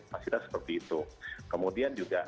fasilitas seperti itu kemudian juga